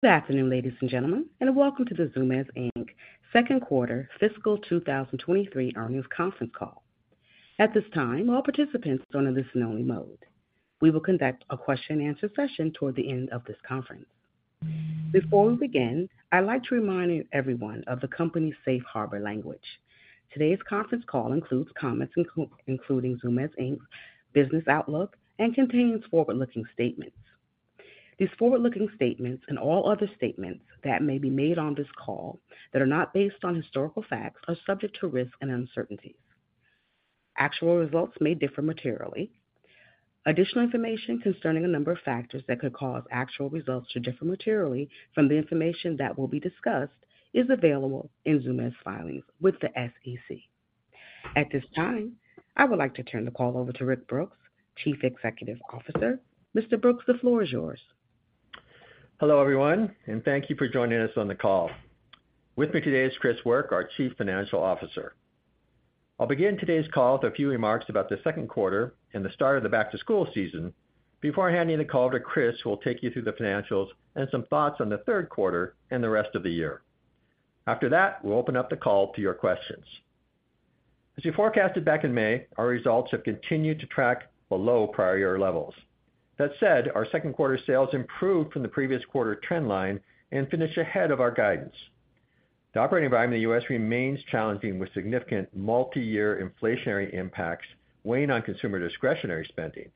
Good afternoon, ladies and gentlemen, and welcome to the Zumiez Inc. second quarter fiscal 2023 earnings conference call. At this time, all participants are on a listen-only mode. We will conduct a question-and-answer session toward the end of this conference. Before we begin, I'd like to remind everyone of the company's Safe Harbor language. Today's conference call includes comments including Zumiez Inc.'s business outlook and contains forward-looking statements. These forward-looking statements and all other statements that may be made on this call that are not based on historical facts, are subject to risks and uncertainties. Actual results may differ materially. Additional information concerning a number of factors that could cause actual results to differ materially from the information that will be discussed is available in Zumiez's filings with the SEC. At this time, I would like to turn the call over to Rick Brooks, Chief Executive Officer. Mr. Brooks, the floor is yours. Hello, everyone, and thank you for joining us on the call. With me today is Chris Work, our Chief Financial Officer. I'll begin today's call with a few remarks about the second quarter and the start of the back-to-School season before handing the call to Chris, who will take you through the financials and some thoughts on the third quarter and the rest of the year. After that, we'll open up the call to your questions. As we forecasted back in May, our results have continued to track below prior year levels. That said, our second quarter sales improved from the previous quarter trend line and finished ahead of our guidance. The operating environment in the U.S. remains challenging, with significant multi-year inflationary impacts weighing on consumer discretionary spending,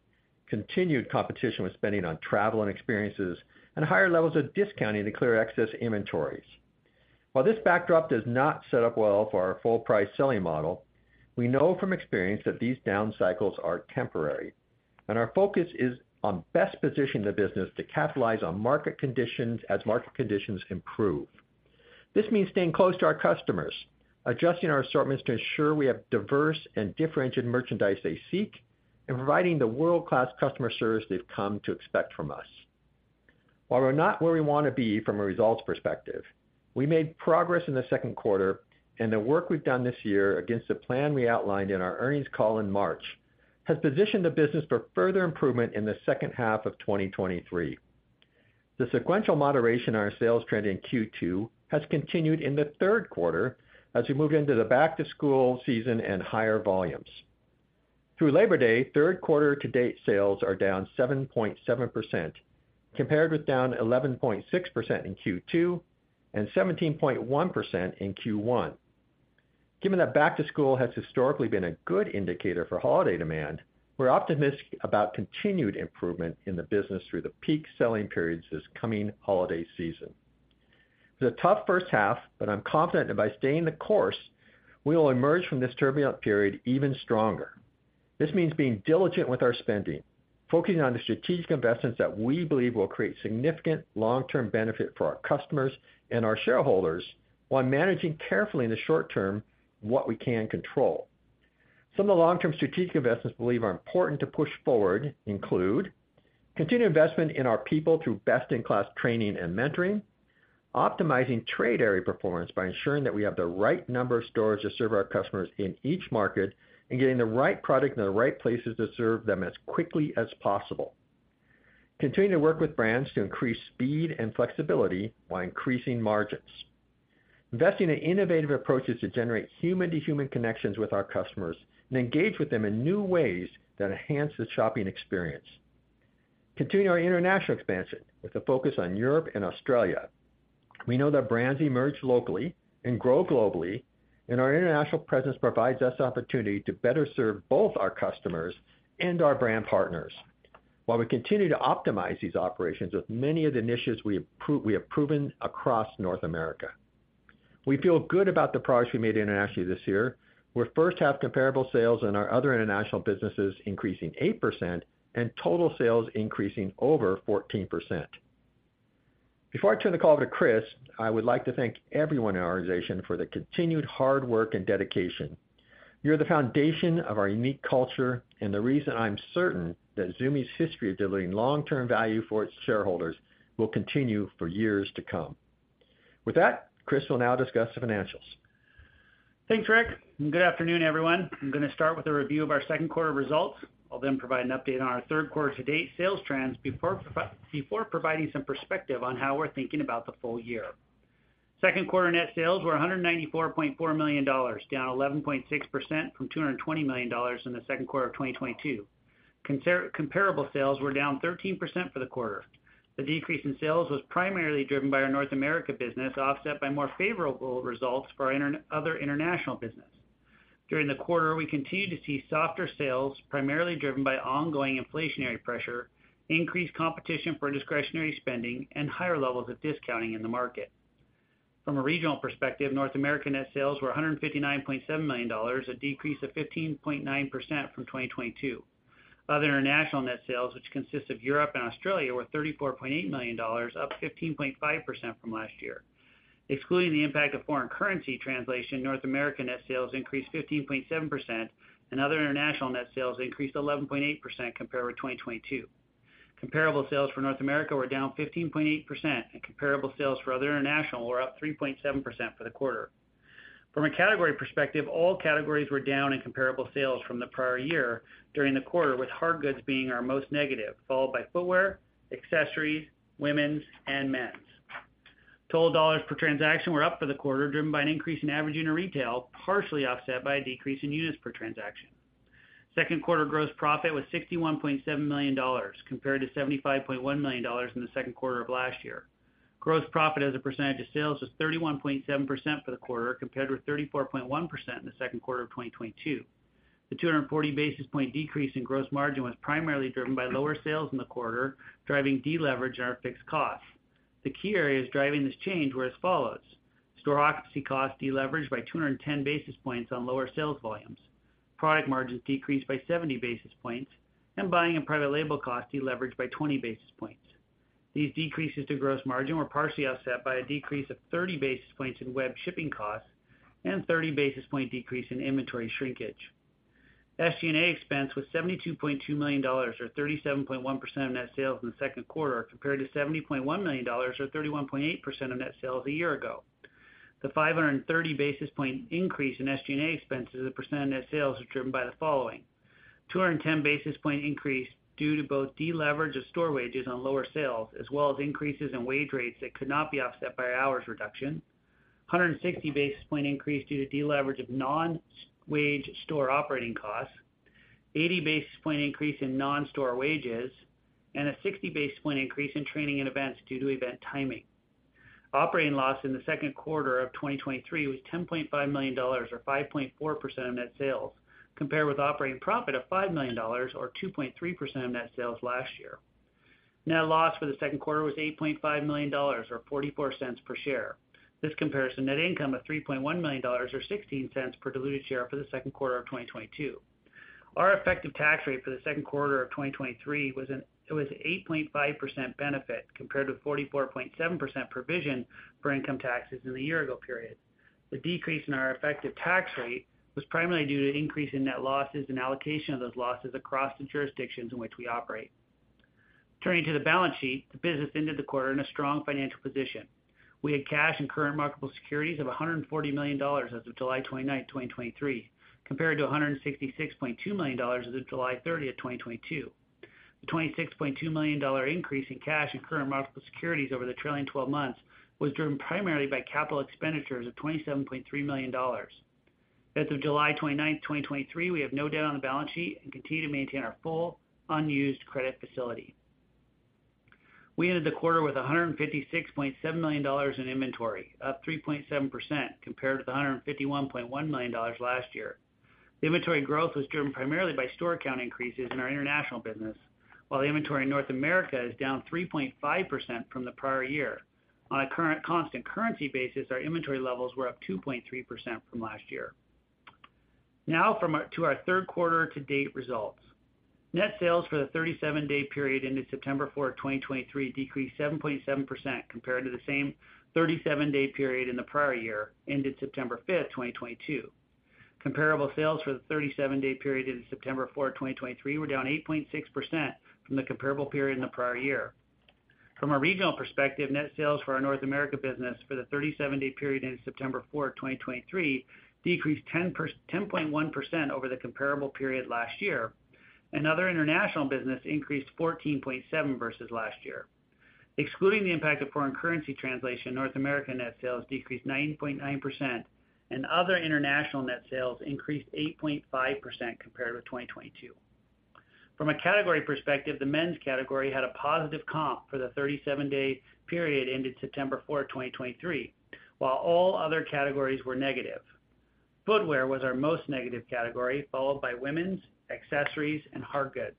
continued competition with spending on travel and experiences, and higher levels of discounting to clear excess inventories. While this backdrop does not set up well for our full price selling model, we know from experience that these down cycles are temporary, and our focus is on best positioning the business to capitalize on market conditions as market conditions improve. This means staying close to our customers, adjusting our assortments to ensure we have diverse and differentiated merchandise they seek, and providing the world-class customer service they've come to expect from us. While we're not where we wanna be from a results perspective, we made progress in the second quarter, and the work we've done this year against the plan we outlined in our earnings call in March, has positioned the business for further improvement in the second half of 2023. The sequential moderation in our sales trend in Q2 has continued in the third quarter as we move into the Back-to-School season and higher volumes. Through Labor Day, third quarter to date, sales are down 7.7%, compared with down 11.6% in Q2 and 17.1% in Q1. Given that Back-to-School has historically been a good indicator for holiday demand, we're optimistic about continued improvement in the business through the peak selling periods this coming holiday season. It's a tough first half, but I'm confident that by staying the course, we will emerge from this turbulent period even stronger. This means being diligent with our spending, focusing on the strategic investments that we believe will create significant long-term benefit for our customers and our shareholders, while managing carefully in the short term what we can control. Some of the long-term strategic investments we believe are important to push forward include continued investment in our people through best-in-class training and mentoring, optimizing trade area performance by ensuring that we have the right number of stores to serve our customers in each market, and getting the right product in the right places to serve them as quickly as possible. Continuing to work with brands to increase speed and flexibility while increasing margins. Investing in innovative approaches to generate human-to-human connections with our customers and engage with them in new ways that enhance the shopping experience. Continuing our international expansion with a focus on Europe and Australia. We know that brands emerge locally and grow globally, and our international presence provides us opportunity to better serve both our customers and our brand partners, while we continue to optimize these operations with many of the initiatives we approve, we have proven across North America. We feel good about the progress we made internationally this year, with first half comparable sales in our other international businesses increasing 8% and total sales increasing over 14%. Before I turn the call to Chris, I would like to thank everyone in our organization for the continued hard work and dedication. You're the foundation of our unique culture and the reason I'm certain that Zumiez's history of delivering long-term value for its shareholders will continue for years to come. With that, Chris will now discuss the financials. Thanks, Rick, and good afternoon, everyone. I'm gonna start with a review of our second quarter results. I'll then provide an update on our third quarter to date sales trends before providing some perspective on how we're thinking about the full year. Second quarter net sales were $194.4 million, down 11.6% from $220 million in the second quarter of 2022. Comparable sales were down 13% for the quarter. The decrease in sales was primarily driven by our North America business, offset by more favorable results for our other international business. During the quarter, we continued to see softer sales, primarily driven by ongoing inflationary pressure, increased competition for discretionary spending, and higher levels of discounting in the market. From a regional perspective, North America net sales were $159.7 million, a decrease of 15.9% from 2022. Other international net sales, which consists of Europe and Australia, were $34.8 million, up 15.5% from last year. Excluding the impact of foreign currency translation, North America net sales increased 15.7%, and other international net sales increased 11.8% compared with 2022. Comparable sales for North America were down 15.8%, and comparable sales for other international were up 3.7% for the quarter. From a category perspective, all categories were down in comparable sales from the prior year during the quarter, with hard goods being our most negative, followed by footwear, accessories, women's and men's. Total dollars per transaction were up for the quarter, driven by an increase in average unit retail, partially offset by a decrease in units per transaction. Second quarter gross profit was $61.7 million, compared to $75.1 million in the second quarter of last year. Gross profit as a percentage of sales was 31.7% for the quarter, compared with 34.1% in the second quarter of 2022. The 240 basis point decrease in gross margin was primarily driven by lower sales in the quarter, driving deleverage in our fixed costs. The key areas driving this change were as follows: store occupancy costs deleveraged by 210 basis points on lower sales volumes, product margins decreased by 70 basis points, and buying and private label costs deleveraged by 20 basis points. These decreases to gross margin were partially offset by a decrease of 30 basis points in web shipping costs and 30 basis point decrease in inventory shrinkage. SG&A expense was $72.2 million, or 37.1% of net sales in the second quarter, compared to $70.1 million, or 31.8% of net sales a year ago. The 530 basis point increase in SG&A expenses as a percent of net sales was driven by the following: 210 basis point increase due to both deleverage of store wages on lower sales, as well as increases in wage rates that could not be offset by hours reduction, 160 basis point increase due to deleverage of non-wage store operating costs, 80 basis point increase in non-store wages, and 60 basis point increase in training and events due to event timing. Operating loss in the second quarter of 2023 was $10.5 million, or 5.4% of net sales, compared with operating profit of $5 million or 2.3% of net sales last year. Net loss for the second quarter was $8.5 million or $0.44 per share. This compares to net income of $3.1 million or $0.16 per diluted share for the second quarter of 2022. Our effective tax rate for the second quarter of 2023 was it was 8.5% benefit, compared to 44.7% provision for income taxes in the year ago period. The decrease in our effective tax rate was primarily due to an increase in net losses and allocation of those losses across the jurisdictions in which we operate. Turning to the balance sheet, the business ended the quarter in a strong financial position. We had cash and current marketable securities of $140 million as of July 29, 2023, compared to $166.2 million as of July 30, 2022. The $26.2 million increase in cash and current marketable securities over the trailing twelve months was driven primarily by capital expenditures of $27.3 million. As of July 29, 2023, we have no debt on the balance sheet and continue to maintain our full unused credit facility. We ended the quarter with $156.7 million in inventory, up 3.7% compared to the $151.1 million last year. The inventory growth was driven primarily by store count increases in our international business, while the inventory in North America is down 3.5% from the prior year. On a constant currency basis, our inventory levels were up 2.3% from last year. Now to our third quarter to date results. Net sales for the 37-day period ended September 4, 2023, decreased 7.7% compared to the same 37-day period in the prior year, ended September 5, 2022. Comparable sales for the 37-day period ended September 4, 2023, were down 8.6% from the comparable period in the prior year. From a regional perspective, net sales for our North America business for the 37-day period ended September 4, 2023, decreased 10.1% over the comparable period last year, and other international business increased 14.7% versus last year. Excluding the impact of foreign currency translation, North America net sales decreased 9.9%, and other international net sales increased 8.5% compared with 2022. From a category perspective, the men's category had a positive comp for the 37-day period ended September 4, 2023, while all other categories were negative. Footwear was our most negative category, followed by women's, accessories, and hard goods.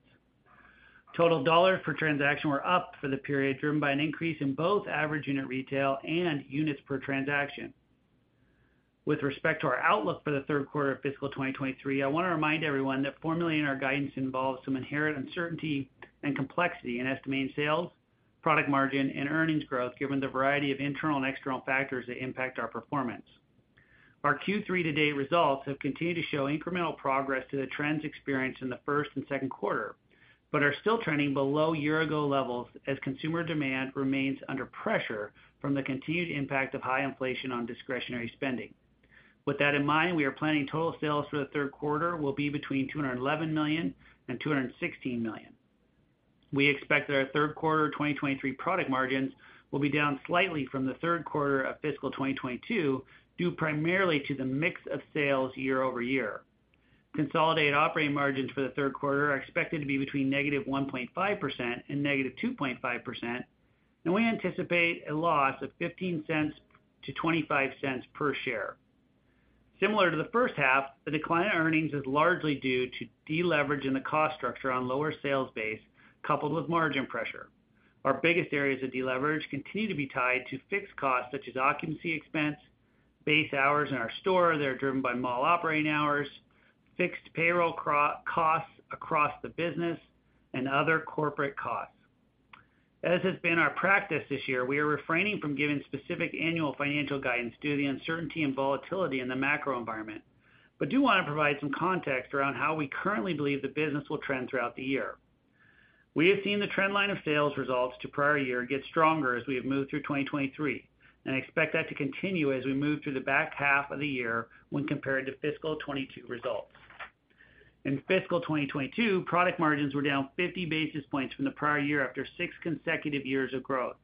Total dollars per transaction were up for the period, driven by an increase in both average unit retail and units per transaction. With respect to our outlook for the third quarter of fiscal 2023, I want to remind everyone that formulating our guidance involves some inherent uncertainty and complexity in estimating sales, product margin, and earnings growth, given the variety of internal and external factors that impact our performance. Our Q3 to date results have continued to show incremental progress to the trends experienced in the first and second quarter, but are still trending below year ago levels as consumer demand remains under pressure from the continued impact of high inflation on discretionary spending. With that in mind, we are planning total sales for the third quarter will be between $211 million and $216 million. We expect that our third quarter 2023 product margins will be down slightly from the third quarter of fiscal 2022, due primarily to the mix of sales year-over-year. Consolidated operating margins for the third quarter are expected to be between -1.5% and -2.5%, and we anticipate a loss of $0.15-$0.25 per share. Similar to the first half, the decline in earnings is largely due to deleverage in the cost structure on lower sales base, coupled with margin pressure. Our biggest areas of deleverage continue to be tied to fixed costs such as occupancy expense, base hours in our store that are driven by mall operating hours, fixed payroll costs across the business, and other corporate costs. As has been our practice this year, we are refraining from giving specific annual financial guidance due to the uncertainty and volatility in the macro environment, but do want to provide some context around how we currently believe the business will trend throughout the year.... We have seen the trend line of sales results to prior year get stronger as we have moved through 2023, and expect that to continue as we move through the back half of the year when compared to fiscal 2022 results. In fiscal 2022, product margins were down 50 basis points from the prior year after six consecutive years of growth.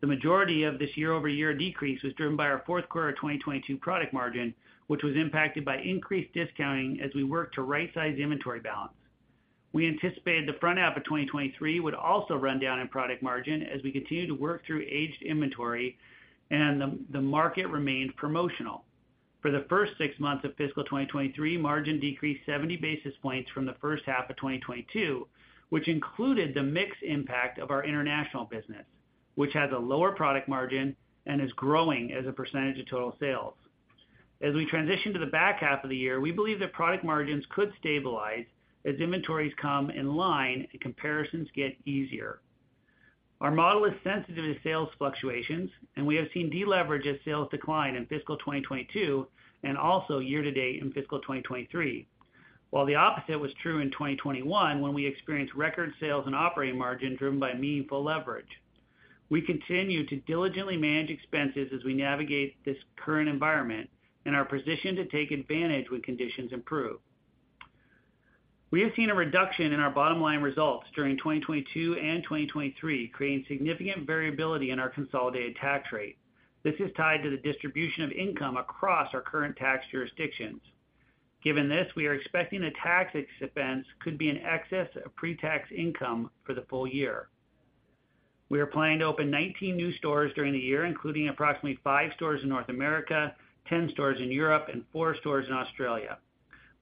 The majority of this year-over-year decrease was driven by our fourth quarter of 2022 product margin, which was impacted by increased discounting as we worked to rightsize the inventory balance. We anticipated the front half of 2023 would also run down in product margin as we continued to work through aged inventory and the market remained promotional. For the first six months of fiscal 2023, margin decreased 70 basis points from the first half of 2022, which included the mix impact of our international business, which has a lower product margin and is growing as a percentage of total sales. As we transition to the back half of the year, we believe that product margins could stabilize as inventories come in line and comparisons get easier. Our model is sensitive to sales fluctuations, and we have seen deleverage as sales declined in fiscal 2022 and also year-to-date in fiscal 2023, while the opposite was true in 2021, when we experienced record sales and operating margin driven by meaningful leverage. We continue to diligently manage expenses as we navigate this current environment and are positioned to take advantage when conditions improve. We have seen a reduction in our bottom line results during 2022 and 2023, creating significant variability in our consolidated tax rate. This is tied to the distribution of income across our current tax jurisdictions. Given this, we are expecting a tax expense could be in excess of pretax income for the full year. We are planning to open 19 new stores during the year, including approximately 5 stores in North America, 10 stores in Europe, and 4 stores in Australia.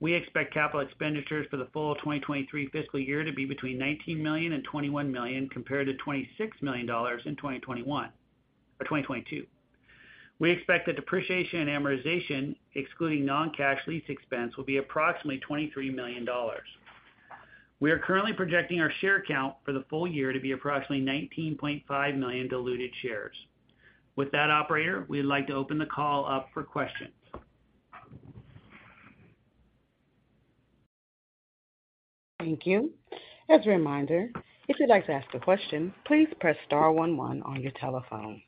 We expect capital expenditures for the full 2023 fiscal year to be between $19 million and $21 million, compared to $26 million in 2021 - or 2022. We expect that depreciation and amortization, excluding non-cash lease expense, will be approximately $23 million. We are currently projecting our share count for the full year to be approximately 19.5 million diluted shares. With that, operator, we'd like to open the call up for questions. Thank you. As a reminder, if you'd like to ask a question, please press star one one on your telephone.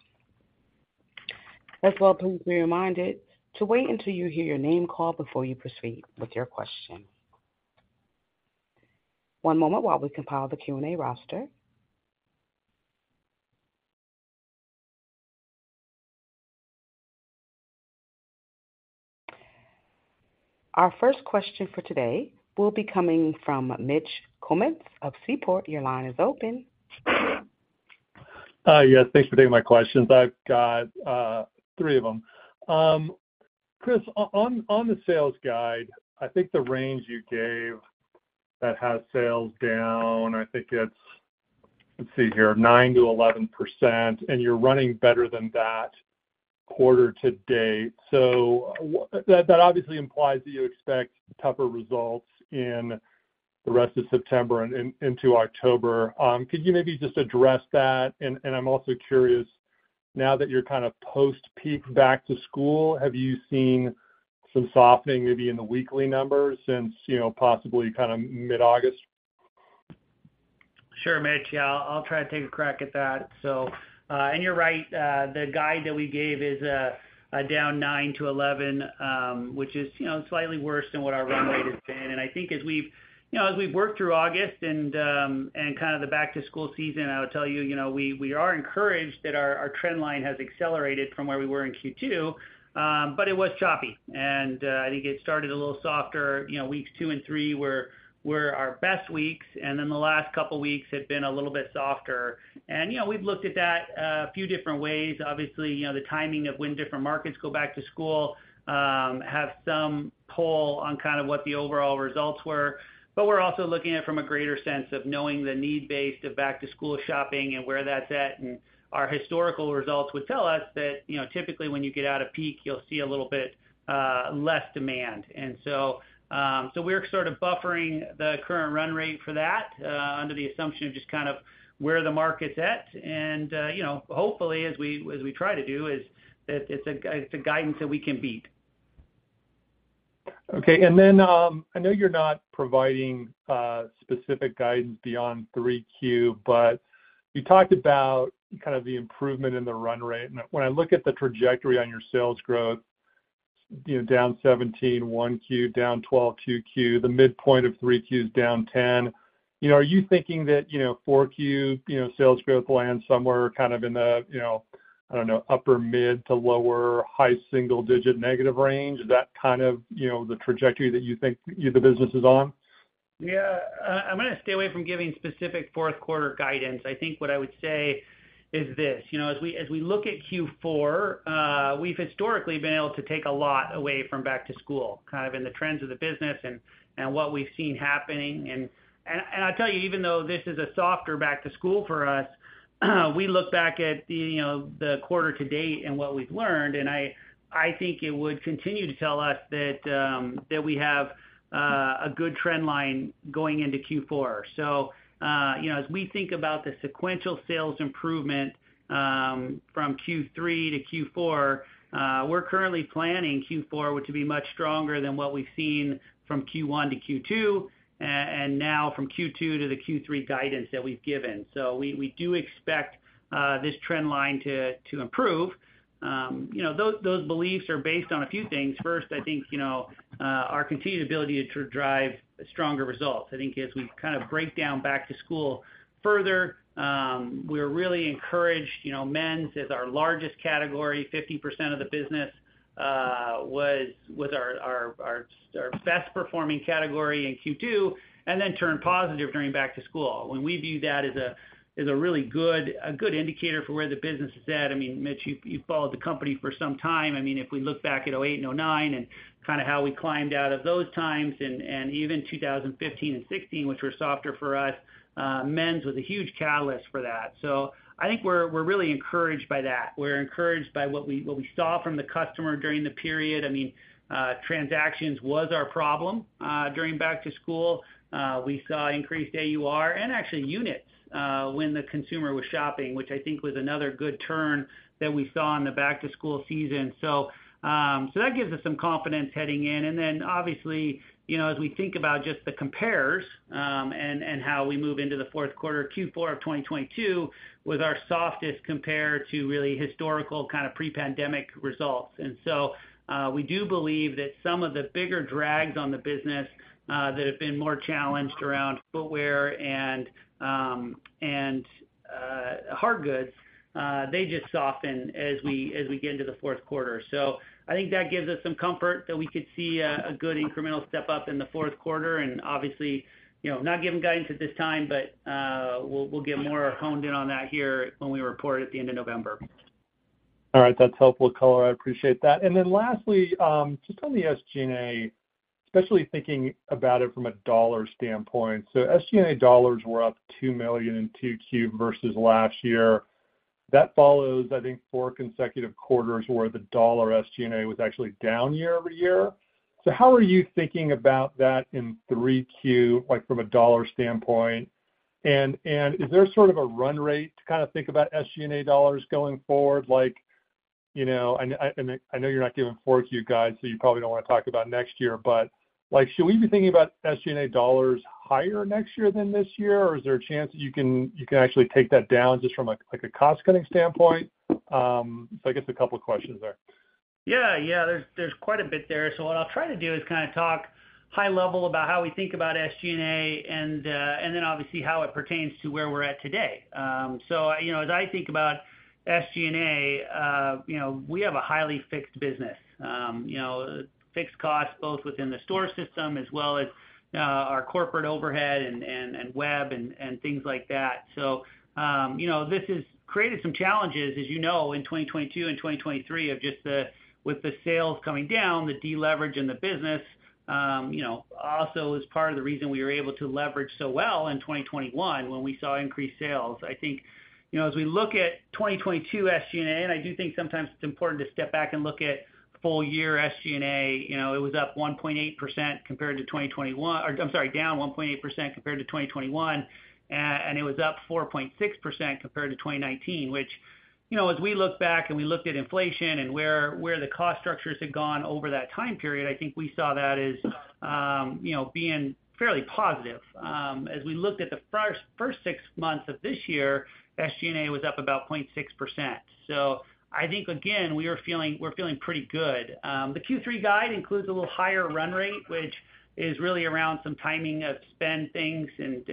As well, please be reminded to wait until you hear your name called before you proceed with your question. One moment while we compile the Q&A roster. Our first question for today will be coming from Mitch Kummetz of Seaport. Your line is open. Yes, thanks for taking my questions. I've got three of them. Chris, on the sales guide, I think the range you gave that has sales down nine to eleven percent, and you're running better than that quarter to date. So that obviously implies that you expect tougher results in the rest of September and into October. Could you maybe just address that? And I'm also curious, now that you're kind of post-peak back to school, have you seen some softening maybe in the weekly numbers since, you know, possibly kind of mid-August? Sure, Mitch. Yeah, I'll try to take a crack at that. So, and you're right, the guide that we gave is a down 9%-11%, which is, you know, slightly worse than what our run rate has been. And I think as we've, you know, as we've worked through August and, and kind of the Back-to-School season, I would tell you, you know, we, we are encouraged that our, our trend line has accelerated from where we were in Q2, but it was choppy, and, I think it started a little softer. You know, weeks two and three were, were our best weeks, and then the last couple weeks have been a little bit softer. And, you know, we've looked at that a few different ways. Obviously, you know, the timing of when different markets go back to school have some pull on kind of what the overall results were. But we're also looking at it from a greater sense of knowing the need base of back-to-school shopping and where that's at. And our historical results would tell us that, you know, typically when you get out of peak, you'll see a little bit less demand. And so, so we're sort of buffering the current run rate for that under the assumption of just kind of where the market's at. And, you know, hopefully, as we try to do, is that it's a guidance that we can beat. Okay. And then, I know you're not providing specific guidance beyond 3Q, but you talked about kind of the improvement in the run rate. And when I look at the trajectory on your sales growth, you know, down 17, 1Q, down 12, 2Q, the midpoint of 3Q is down 10. You know, are you thinking that, you know, 4Q, you know, sales growth will land somewhere kind of in the, you know, I don't know, upper mid to lower high single digit negative range? Is that kind of, you know, the trajectory that you think the business is on? Yeah. I'm gonna stay away from giving specific fourth quarter guidance. I think what I would say is this: you know, as we look at Q4, we've historically been able to take a lot away from back to school, kind of in the trends of the business and I'll tell you, even though this is a softer back to school for us, we look back at the, you know, the quarter to date and what we've learned, and I think it would continue to tell us that we have a good trend line going into Q4. So, you know, as we think about the sequential sales improvement, from Q3 to Q4, we're currently planning Q4, which to be much stronger than what we've seen from Q1 to Q2, and now from Q2 to the Q3 guidance that we've given. So we do expect this trend line to improve. You know, those beliefs are based on a few things. First, I think, you know, our continued ability to drive stronger results. I think as we kind of break down Back-to-School further, we're really encouraged. You know, men's is our largest category, 50% of the business, was our best performing category in Q2, and then turned positive during Back-to-School. When we view that as a really good indicator for where the business is at, I mean, Mitch, you followed the company for some time. I mean, if we look back at 2008 and 2009 and kind of how we climbed out of those times and even 2015 and 2016, which were softer for us, men's was a huge catalyst for that. So I think we're really encouraged by that. We're encouraged by what we saw from the customer during the period. I mean, transactions was our problem during Back-to-School. We saw increased AUR and actually units when the consumer was shopping, which I think was another good turn that we saw in the Back-to-School season. So that gives us some confidence heading in. Then obviously, you know, as we think about just the compares, and how we move into the fourth quarter, Q4 of 2022 was our softest compare to really historical kind of pre-pandemic results. And so, we do believe that some of the bigger drags on the business, that have been more challenged around footwear and hard goods, they just soften as we get into the fourth quarter. So I think that gives us some comfort that we could see a good incremental step up in the fourth quarter. And obviously, you know, not giving guidance at this time, but we'll get more honed in on that here when we report at the end of November. All right. That's helpful color. I appreciate that. And then lastly, just on the SG&A, especially thinking about it from a dollar standpoint. So SG&A dollars were up $2 million in 2Q versus last year. That follows, I think, 4 consecutive quarters where the dollar SG&A was actually down year-over-year. So how are you thinking about that in 3Q, like, from a dollar standpoint? And, and is there sort of a run rate to kind of think about SG&A dollars going forward? Like, you know, and I, and I know you're not giving 4Q guides, so you probably don't wanna talk about next year, but, like, should we be thinking about SG&A dollars higher next year than this year? Or is there a chance that you can, you can actually take that down just from a, like, a cost-cutting standpoint? So, I guess a couple of questions there. Yeah, yeah, there's quite a bit there. So what I'll try to do is kind of talk high level about how we think about SG&A and then obviously how it pertains to where we're at today. So, you know, as I think about SG&A, you know, we have a highly fixed business, you know, fixed costs both within the store system as well as our corporate overhead and web and things like that. So, you know, this has created some challenges, as you know, in 2022 and 2023 of just the, with the sales coming down, the deleverage in the business, you know, also as part of the reason we were able to leverage so well in 2021 when we saw increased sales. I think, you know, as we look at 2022 SG&A, and I do think sometimes it's important to step back and look at full year SG&A, you know, it was up 1.8% compared to 2021. Or I'm sorry, down 1.8% compared to 2021, and it was up 4.6% compared to 2019, which, you know, as we look back and we looked at inflation and where, where the cost structures had gone over that time period, I think we saw that as, you know, being fairly positive. As we looked at the first, first six months of this year, SG&A was up about 0.6%. So I think, again, we are feeling—we're feeling pretty good. The Q3 guide includes a little higher run rate, which is really around some timing of spend things and,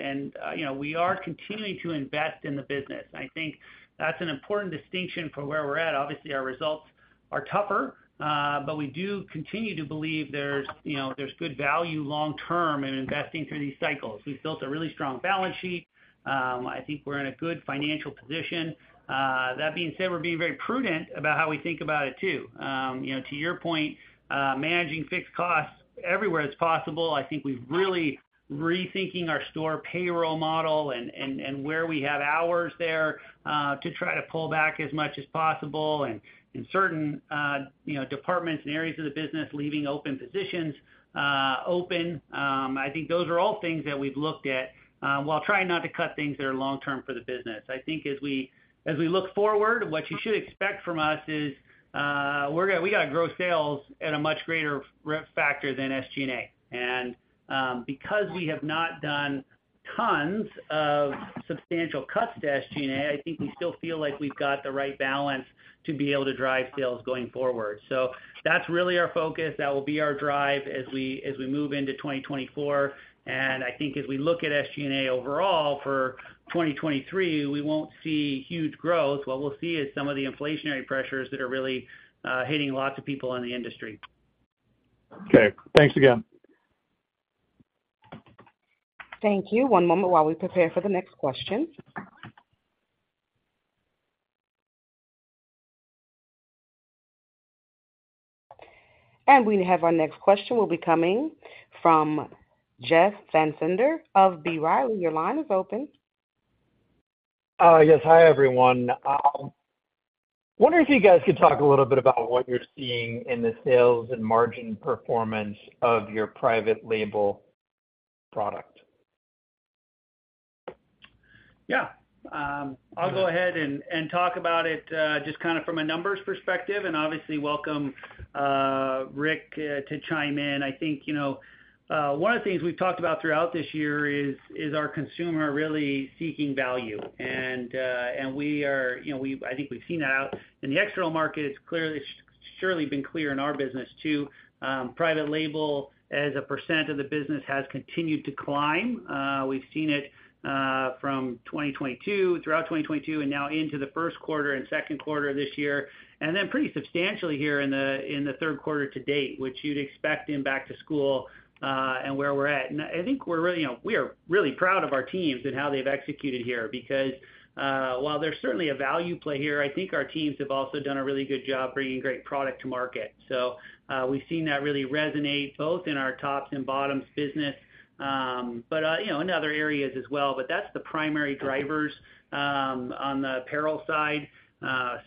you know, we are continuing to invest in the business. I think that's an important distinction for where we're at. Obviously, our results are tougher, but we do continue to believe there's, you know, there's good value long term in investing through these cycles. We've built a really strong balance sheet. I think we're in a good financial position. That being said, we're being very prudent about how we think about it, too. You know, to your point, managing fixed costs everywhere it's possible. I think we've really rethinking our store payroll model and, and, and where we have hours there, to try to pull back as much as possible, and in certain, you know, departments and areas of the business, leaving open positions open. I think those are all things that we've looked at, while trying not to cut things that are long term for the business. I think as we, as we look forward, what you should expect from us is, we're gonna-- we gotta grow sales at a much greater re- factor than SG&A. And, because we have not done tons of substantial cuts to SG&A, I think we still feel like we've got the right balance to be able to drive sales going forward. That's really our focus. That will be our drive as we, as we move into 2024. I think as we look at SG&A overall for 2023, we won't see huge growth. What we'll see is some of the inflationary pressures that are really hitting lots of people in the industry. Okay, thanks again. Thank you. One moment while we prepare for the next question. We have our next question will be coming from Jeff Van Sinderen of B. Riley. Your line is open. Yes. Hi, everyone. Wondering if you guys could talk a little bit about what you're seeing in the sales and margin performance of your private label product? Yeah. I'll go ahead and talk about it, just kind of from a numbers perspective, and obviously, welcome Rick to chime in. I think, you know, one of the things we've talked about throughout this year is our consumer really seeking value. We are, you know, we-- I think we've seen that out in the external market. It's clearly, surely been clear in our business, too. Private label, as a percent of the business, has continued to climb. We've seen it from 2022-- throughout 2022, and now into the first quarter and second quarter of this year, and then pretty substantially here in the third quarter to date, which you'd expect in back-to-school, and where we're at. I think we're really, you know, we are really proud of our teams and how they've executed here. Because, while there's certainly a value play here, I think our teams have also done a really good job bringing great product to market. So, we've seen that really resonate both in our tops and bottoms business, but, you know, in other areas as well. But that's the primary drivers, on the apparel side.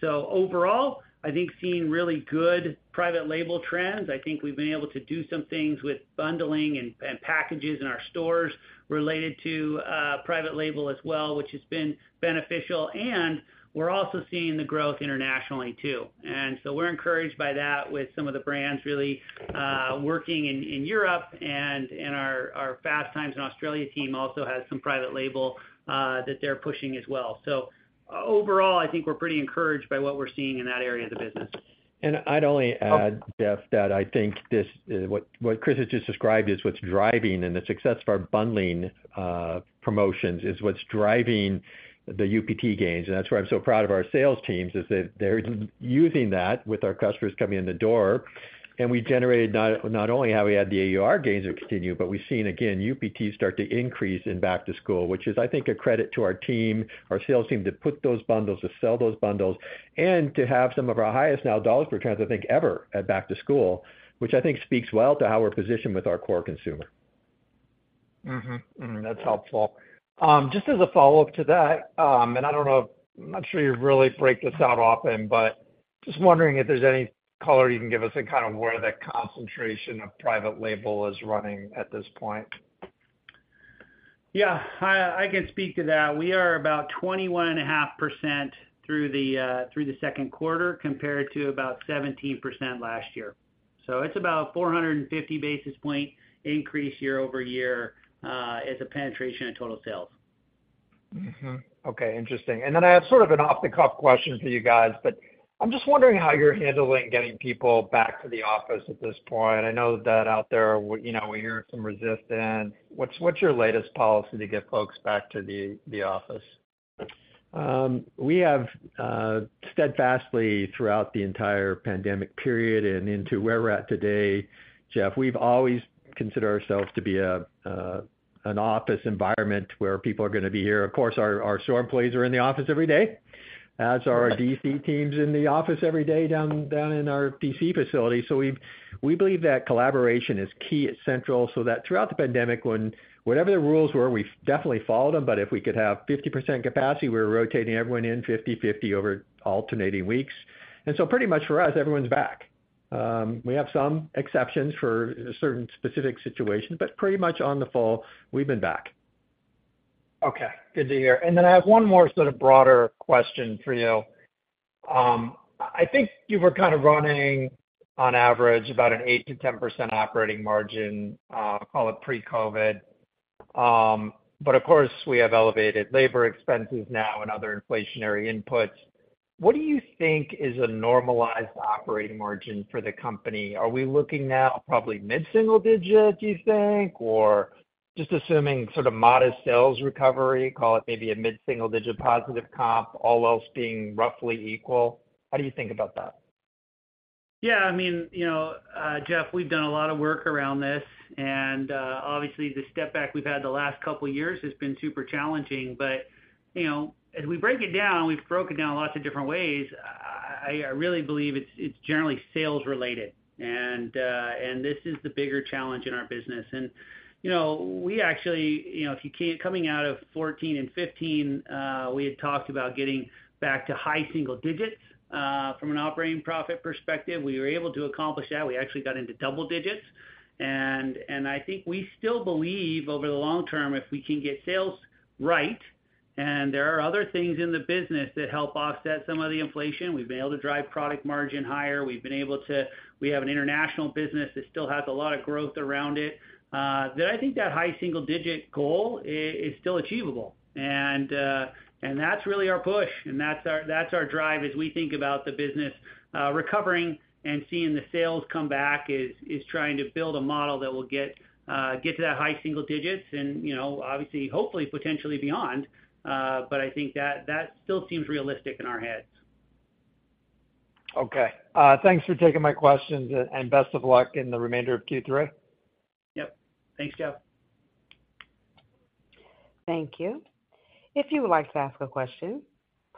So overall, I think seeing really good Private Label trends, I think we've been able to do some things with bundling and packages in our stores related to Private Label as well, which has been beneficial. And we're also seeing the growth internationally, too. So we're encouraged by that with some of the brands really working in Europe and in our Fast Times in Australia team also has some private label that they're pushing as well. Overall, I think we're pretty encouraged by what we're seeing in that area of the business. I'd only add, Jeff, that I think this, what Chris has just described, is what's driving... The success of our bundling promotions is what's driving the UPT gains. That's why I'm so proud of our sales teams, is that they're using that with our customers coming in the door, and we generated not, not only have we had the AUR gains continue, but we've seen, again, UPT start to increase in Back-to-School, which is, I think, a credit to our team, our sales team, to put those bundles, to sell those bundles, and to have some of our highest now dollars per transaction, I think, ever at Back-to-School, which I think speaks well to how we're positioned with our core consumer. Mm-hmm. Mm, that's helpful. Just as a follow-up to that, and I don't know, I'm not sure you really break this out often, but just wondering if there's any color you can give us in kind of where the concentration of private label is running at this point? Yeah, I can speak to that. We are about 21.5% through the second quarter, compared to about 17% last year. So it's about 450 basis points increase year-over-year as a penetration of total sales. Mm-hmm. Okay, interesting. And then I have sort of an off-the-cuff question for you guys, but I'm just wondering how you're handling getting people back to the office at this point. I know that out there, we, you know, we're hearing some resistance. What's, what's your latest policy to get folks back to the, the office? We have steadfastly, throughout the entire pandemic period and into where we're at today, Jeff, we've always considered ourselves to be a, an office environment where people are gonna be here. Of course, our, our store employees are in the office every day, as are our DC teams in the office every day, down, down in our DC facility. So we, we believe that collaboration is key, it's central, so that throughout the pandemic, when whatever the rules were, we definitely followed them. But if we could have 50% capacity, we were rotating everyone in 50/50 over alternating weeks. And so pretty much for us, everyone's back. We have some exceptions for certain specific situations, but pretty much on the fall, we've been back. Okay, good to hear. Then I have one more sort of broader question for you. I think you were kind of running, on average, about an 8%-10% operating margin, call it pre-COVID. But of course, we have elevated labor expenses now and other inflationary inputs. What do you think is a normalized operating margin for the company? Are we looking now probably mid-single digit, do you think? Or just assuming sort of modest sales recovery, call it maybe a mid-single digit positive comp, all else being roughly equal. How do you think about that? Yeah, I mean, you know, Jeff, we've done a lot of work around this, and obviously, the step back we've had the last couple of years has been super challenging. But, you know, as we break it down, we've broken down lots of different ways, I, I really believe it's, it's generally sales related. And, and this is the bigger challenge in our business. And, you know, we actually, you know, if you coming out of 14 and 15, we had talked about getting back to high single digits, from an operating profit perspective. We were able to accomplish that. We actually got into double digits. And, and I think we still believe over the long term, if we can get sales right, and there are other things in the business that help offset some of the inflation. We've been able to drive product margin higher. We have an international business that still has a lot of growth around it, that I think that high single digit goal is still achievable. And, and that's really our push, and that's our, that's our drive as we think about the business, recovering and seeing the sales come back, is trying to build a model that will get to that high single digits and, you know, obviously, hopefully, potentially beyond. But I think that, that still seems realistic in our heads. Okay. Thanks for taking my questions, and best of luck in the remainder of Q3. Yep. Thanks, Jeff. Thank you. If you would like to ask a question,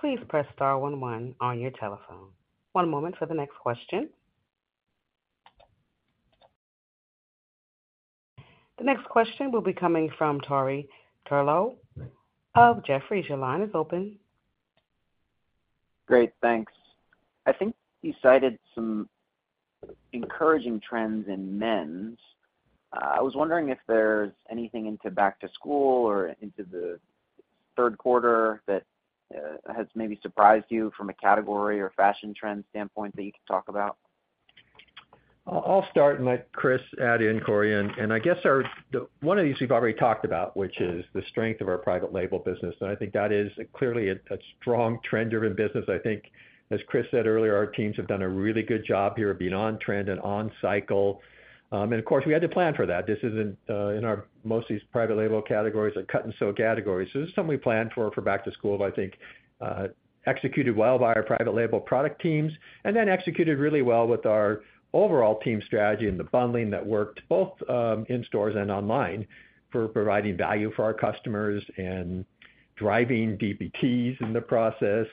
please press star one one on your telephone. One moment for the next question. The next question will be coming from Corey Tarlowe of Jefferies. Your line is open.... Great, thanks. I think you cited some encouraging trends in men's. I was wondering if there's anything into Back-to-School or into the third quarter that has maybe surprised you from a category or fashion trend standpoint that you can talk about? I'll start and let Chris add in, Corey, and I guess the, one of these we've already talked about, which is the strength of our private label business, and I think that is clearly a strong trend-driven business. I think, as Chris said earlier, our teams have done a really good job here of being on trend and on cycle. I think, as Chris said earlier, our teams have done a really good job here of being on trend and on cycle. Of course, we had to plan for that. This isn't in our mostly private label categories or cut and sew categories. This is something we planned for, for Back-to-School, but I think executed well by our private label product teams, and then executed really well with our overall team strategy and the bundling that worked both in stores and online, for providing value for our customers and driving DPTs in the process,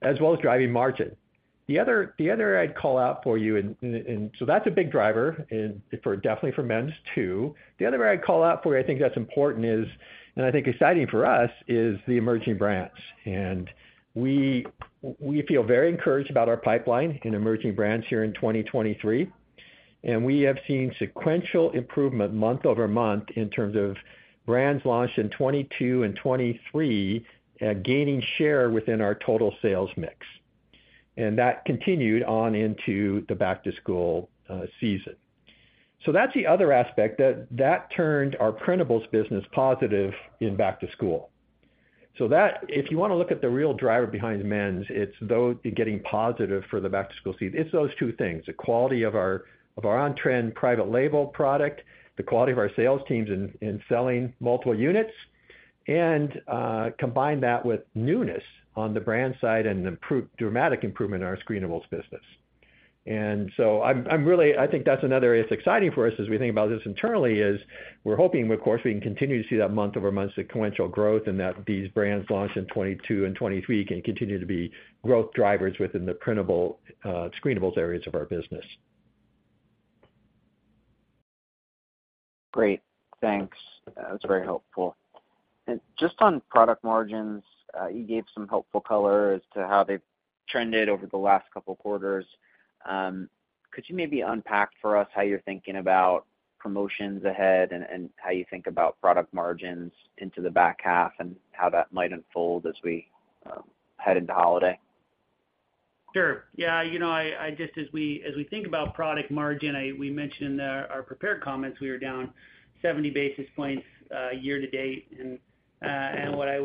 as well as driving margin. The other I'd call out for you, and so that's a big driver and definitely for men's, too. The other area I'd call out for you, I think that's important, and I think exciting for us, is the emerging brands. And we feel very encouraged about our pipeline in emerging brands here in 2023. And we have seen sequential improvement month-over-month in terms of brands launched in 2022 and 2023, gaining share within our total sales mix. And that continued on into the Back-to-School season. So that's the other aspect that turned our screen business positive in Back-to-School. So that—if you wanna look at the real driver behind men's, it's those getting positive for the Back-to-School season. It's those two things, the quality of our on-trend private label product, the quality of our sales teams in selling multiple units, and combine that with newness on the brand side and dramatic improvement in our screen business. And so I'm really... I think that's another area it's exciting for us as we think about this internally, is we're hoping, of course, we can continue to see that month-over-month sequential growth, and that these brands launched in 2022 and 2023 can continue to be growth drivers within the screen screen areas of our business. Great, thanks. That's very helpful. And just on product margins, you gave some helpful color as to how they've trended over the last couple quarters. Could you maybe unpack for us how you're thinking about promotions ahead, and how you think about product margins into the back half and how that might unfold as we head into holiday? Sure. Yeah, you know, I just as we think about product margin, we mentioned in our prepared comments, we were down 70 basis points year to date. And what I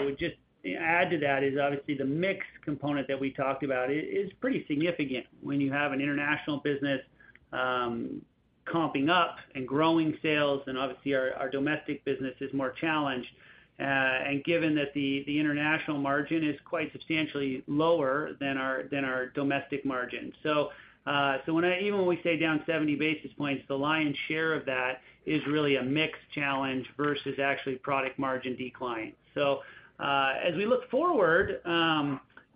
would just add to that is obviously the mix component that we talked about is pretty significant when you have an international business comping up and growing sales, and obviously our domestic business is more challenged. And given that the international margin is quite substantially lower than our domestic margin. So when I even when we say down 70 basis points, the lion's share of that is really a mix challenge versus actually product margin decline. So, as we look forward,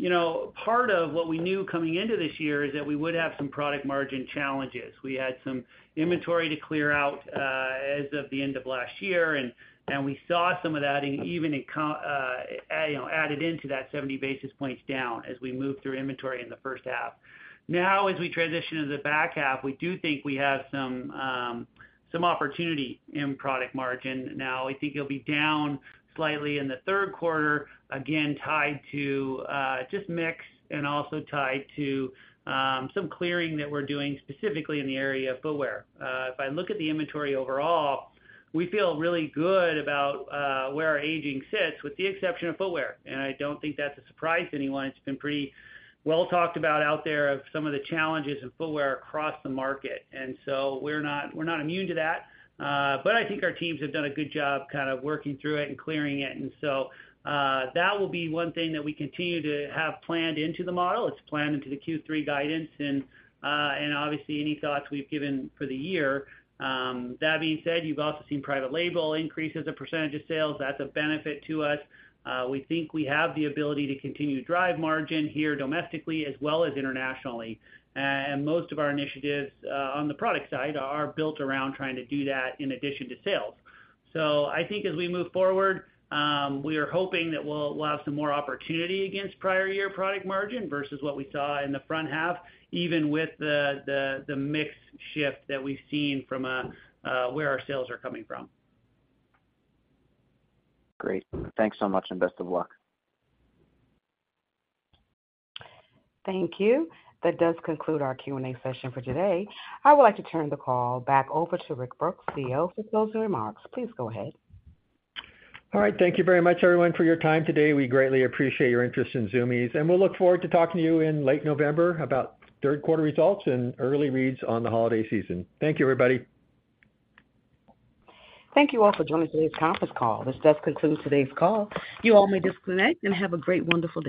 you know, part of what we knew coming into this year is that we would have some product margin challenges. We had some inventory to clear out, as of the end of last year, and we saw some of that even in comps, you know, added into that 70 basis points down as we moved through inventory in the first half. Now, as we transition to the back half, we do think we have some opportunity in product margin. Now, I think it'll be down slightly in the third quarter, again, tied to just mix and also tied to some clearing that we're doing, specifically in the area of footwear. If I look at the inventory overall, we feel really good about where our aging sits, with the exception of footwear. I don't think that's a surprise to anyone. It's been pretty well talked about out there of some of the challenges of footwear across the market. We're not immune to that, but I think our teams have done a good job kind of working through it and clearing it. That will be one thing that we continue to have planned into the model. It's planned into the Q3 guidance and, obviously, any thoughts we've given for the year. That being said, you've also seen private label increase as a percentage of sales. That's a benefit to us. We think we have the ability to continue to drive margin here domestically as well as internationally. Most of our initiatives on the product side are built around trying to do that in addition to sales. So I think as we move forward, we are hoping that we'll have some more opportunity against prior year product margin versus what we saw in the front half, even with the mix shift that we've seen from where our sales are coming from. Great. Thanks so much, and best of luck. Thank you. That does conclude our Q&A session for today. I would like to turn the call back over to Rick Brooks, CEO, for closing remarks. Please go ahead. All right. Thank you very much, everyone, for your time today. We greatly appreciate your interest in Zumiez, and we'll look forward to talking to you in late November about third quarter results and early reads on the holiday season. Thank you, everybody. Thank you all for joining today's conference call. This does conclude today's call. You all may disconnect and have a great, wonderful day.